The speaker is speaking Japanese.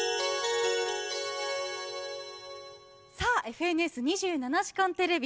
「ＦＮＳ２７時間テレビ」。